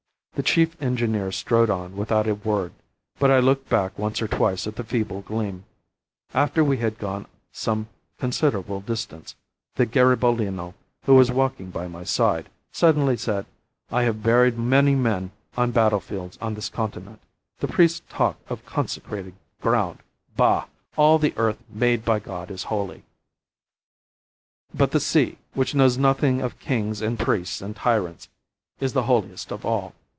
The chief engineer strode on without a word, but I looked back once or twice at the feeble gleam. After we had gone some considerable distance, the Garibaldino, who was walking by my side, suddenly said, 'I have buried many men on battlefields on this continent. The priests talk of consecrated ground! Bah! All the earth made by God is holy; but the sea, which knows nothing of kings and priests and tyrants, is the holiest of all.